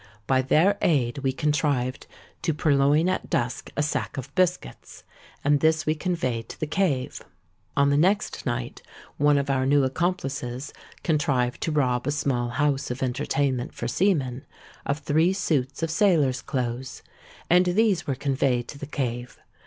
By their aid we contrived to purloin at dusk a sack of biscuits; and this we conveyed to the cave. On the next night one of our new accomplices contrived to rob a small house of entertainment for seamen, of three suits of sailors' clothes; and these were conveyed to the cave.